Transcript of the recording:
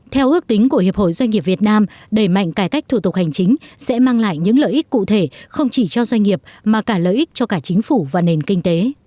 theo ước tính của hiệp hội doanh nghiệp việt nam đẩy mạnh cải cách thủ tục hành chính sẽ mang lại những lợi ích cụ thể không chỉ cho doanh nghiệp mà cả lợi ích cho cả chính phủ và nền kinh tế